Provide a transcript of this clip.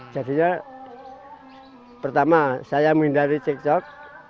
jadinya pertama saya menghindari cekcok